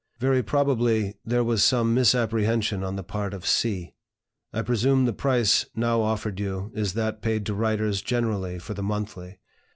Very probably there was some misapprehension on the part of C. I presume the price now offered you is that paid to writers generally for the 'Monthly.'